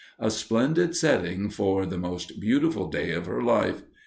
A splendid setting for "the most beautiful day of her life."